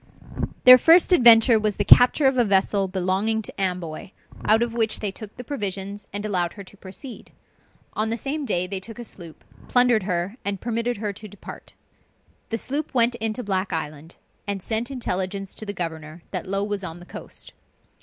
Their first adventure was the capture of a vessel belonging to Amboy, out of which they took the provisions, and allowed her to proceed. On the same day they took a sloop, plundered her, and permitted her to depart. The sloop went into Black Island, and sent intelligence to the governor that Low was on the coast.